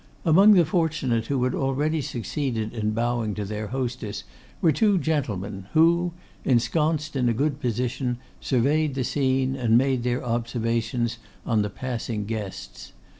Among the fortunate who had already succeeded in bowing to their hostess were two gentlemen, who, ensconced in a good position, surveyed the scene, and made their observations on the passing guests.